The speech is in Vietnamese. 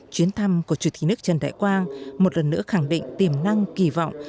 chuyến thăm của chủ tịch nước trần đại quang một lần nữa khẳng định tiềm năng kỳ vọng